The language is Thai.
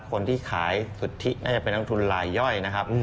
คนที่ขายสุทธิน่าจะเป็นนักทุนลายย่อยนะครับ